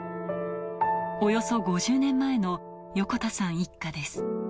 およそ５０年前の横田さん一家です。